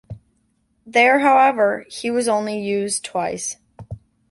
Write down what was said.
There however, he was only used twice.